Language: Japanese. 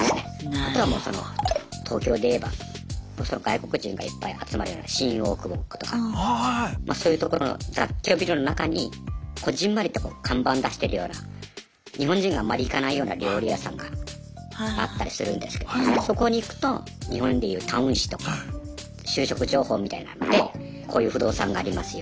あとはもうその東京でいえば外国人がいっぱい集まるような新大久保とかまそういうところの雑居ビルの中にこぢんまりと看板出してるような日本人があんまり行かないような料理屋さんがあったりするんですけどそこに行くと日本でいうタウン誌とか就職情報みたいなのでこういう不動産がありますよ